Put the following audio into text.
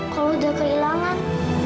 kalau udah kehilangan